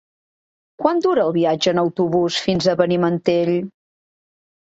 Quant dura el viatge en autobús fins a Benimantell?